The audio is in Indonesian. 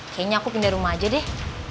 kayaknya aku pindah rumah aja deh